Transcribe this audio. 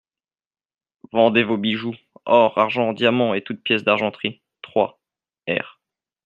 Vendez vos bijoux, or, argent, diamants et toutes pièces d'argenterie, trois, r.